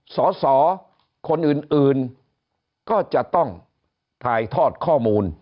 สอสอคนอื่นก็จะต้องถ่ายทอดข้อมูล